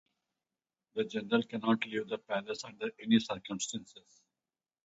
The general cannot leave the palace under any circumstances.